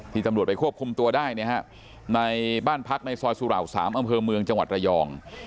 ตำรวจไปควบคุมตัวได้ในบ้านพักในซอยสุเหล่า๓อำเภอเมืองจังหวัดระยอง